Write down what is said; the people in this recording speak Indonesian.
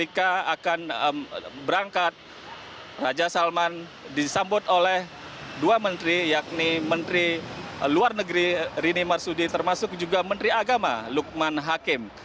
ketika akan berangkat raja salman disambut oleh dua menteri yakni menteri luar negeri rini marsudi termasuk juga menteri agama lukman hakim